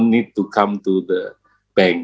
tidak perlu datang ke bank